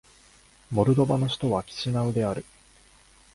モルドバの首都はキシナウである